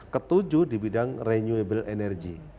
ketujuh di bidang renewable energy